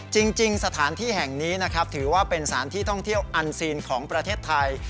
จริงสถานที่แห่งนี้นะครับถือว่าเป็นสถานที่ท่องเที่ยวอันซีนของประเทศไทย